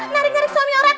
narik narik suami orang